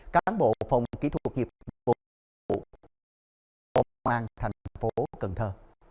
bán bộ phòng kỹ thuật hiệp dụng của đoàn thanh niên công an thành phố cần thơ